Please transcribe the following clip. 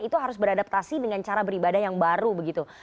itu harus beradaptasi dengan cara beribadah yang baru begitu